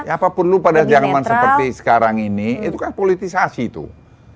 apapun lu pada zaman seperti sekarang ini itu kan politisasi tuh